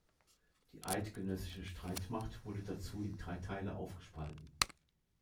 Die eidgenössische Streitmacht wurde dazu in drei Teile aufgespalten.